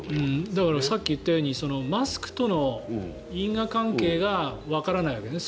だからさっき言ったようにマスクとの因果関係がわからないわけね。